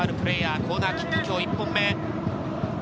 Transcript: コーナーキック、今日１本目。